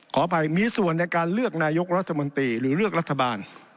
ขออภัยมีส่วนในการเลือกนายกรัฐมนตรีหรือเลือกรัฐบาล